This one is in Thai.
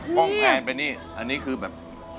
ห้องแพนไปนี่อันนี้คือแบบ